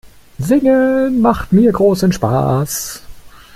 Singen macht mir großen Spaß.